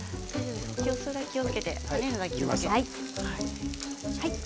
気をつけて。